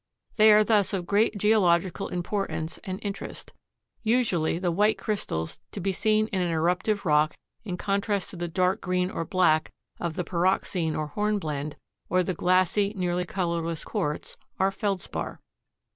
They are thus of great geological importance and interest. Usually the white crystals to be seen in an eruptive rock in contrast to the dark green or black of the pyroxene or hornblende, or the glassy, nearly colorless quartz, are Feldspar.